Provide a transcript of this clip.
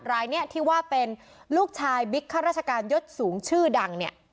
รายนี้ที่ว่าเป็นลูกชายบิ๊กข้าราชการยศสูงชื่อดังเนี่ย